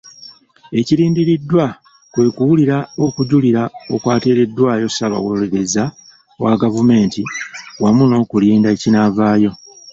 Ekirindiriddwa kwe kuwulira okujulira okwateereddwayo Ssaabawolereza wa gavumenti wamu n'okulinda ekinaavaayo.